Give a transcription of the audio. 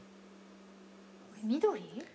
緑？